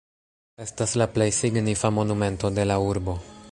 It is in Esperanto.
Estas la plej signifa monumento de la urbo.